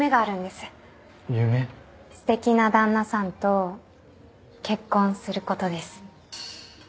すてきな旦那さんと結婚することです。